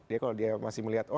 dia kalau dia masih melihat oh